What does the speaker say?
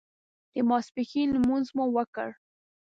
د ماسپښین لمونځ مو وکړ.